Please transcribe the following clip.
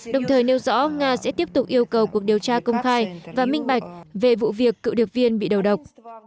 đồng thời nêu rõ nga sẽ tiếp tục yêu cầu cuộc điều tra công khai và minh bạch về vụ việc cựu điệp viên bị đầu độc